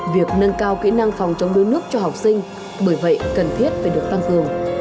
việc nâng cao kỹ năng phòng chống đuối nước cho học sinh bởi vậy cần thiết phải được tăng cường